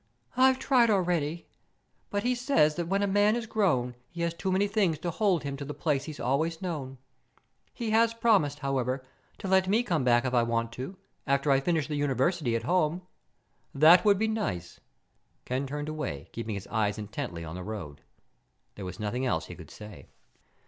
"I've tried already, but he says that when a man is grown he has too many things to hold him to the place he's always known. He has promised, however, to let me come back if I want to, after I finish the university at home." "That would be nice." Ken turned away, keeping his eyes intently on the road. There was nothing else he could say.